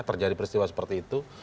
terjadi peristiwa seperti itu